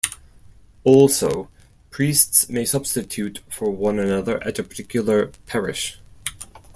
Also, priests may substitute for one another at a particular parish.